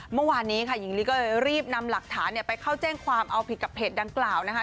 เมื่อวานนี้ค่ะหญิงลีก็เลยรีบนำหลักฐานไปเข้าแจ้งความเอาผิดกับเพจดังกล่าวนะคะ